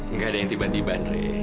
nggak ada yang tiba tiba andre